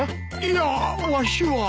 いやわしは。